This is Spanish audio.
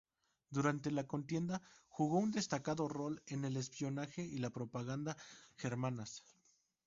Durante la contienda jugó un destacado rol en el espionaje y la propaganda germanas.